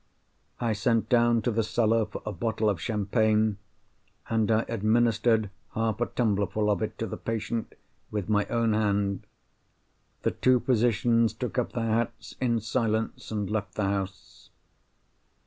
I sent down to the cellar for a bottle of champagne; and I administered half a tumbler full of it to the patient with my own hand. The two physicians took up their hats in silence, and left the house."